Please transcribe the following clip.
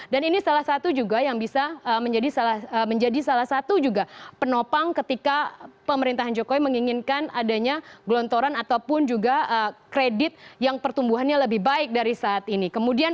dan ini salah satu juga yang bisa menjadi salah satu juga penopang ketika pemerintahan jokowi menginginkan adanya gelontoran ataupun juga kredit yang pertumbuhannya lebih baik dari saat ini